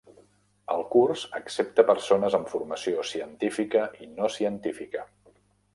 Els curs accepta persones amb formació científica i no científica.